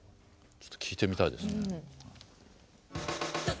ちょっと聴いてみたいですね。